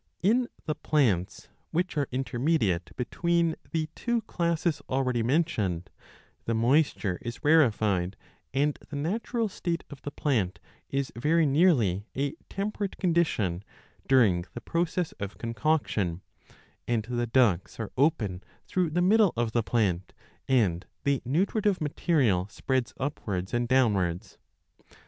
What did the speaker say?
In the plants which are intermediate between the two classes already mentioned, the moisture is rarefied and the natural state of the plant is very nearly a temperate condition during the process of concoction, and the ducts are open 5 through the middle of the plant, and the nutritive material spreads upwards and downwards.